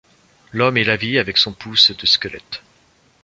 L’homme et la vie avec son pouce de squelette ;